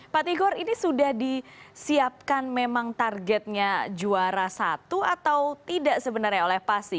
pak tigor ini sudah disiapkan memang targetnya juara satu atau tidak sebenarnya oleh pasi